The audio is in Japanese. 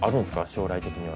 将来的には。